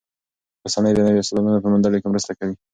رسنۍ د نویو استعدادونو په موندلو کې مرسته کوي.